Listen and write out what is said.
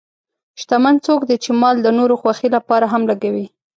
شتمن څوک دی چې مال د نورو خوښۍ لپاره هم لګوي.